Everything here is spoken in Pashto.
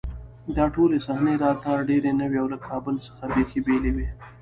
دا ټولې صحنې راته ډېرې نوې او له کابل څخه بېخي بېلې وې